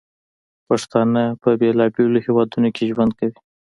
پښتانه په بیلابیلو هیوادونو کې ژوند کوي.